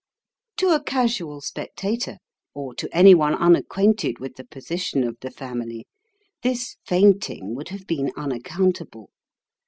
To a casual spectator, or to anyone unacquainted with the position of the family, this fainting would have been unaccountable.